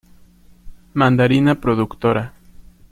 Mandarina Productora